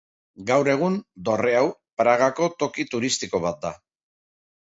Gaur egun, dorre hau, Pragako toki turistiko bat da.